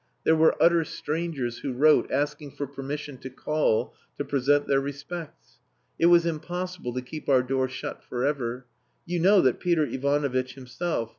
There were utter strangers who wrote asking for permission to call to present their respects. It was impossible to keep our door shut for ever. You know that Peter Ivanovitch himself....